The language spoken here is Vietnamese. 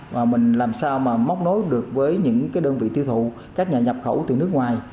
và mình làm sao mà móc nối được với những đơn vị tiêu thụ các nhà nhập khẩu từ nước ngoài